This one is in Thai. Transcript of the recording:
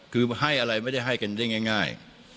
คือให้อะไรไม่ได้ให้กันได้ง่าย